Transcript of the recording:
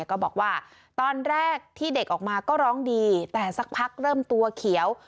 ก็บอกว่าตอนแรกที่เด็กออกมาก็ร้องดีแต่สักพักเริ่มตัวเขียว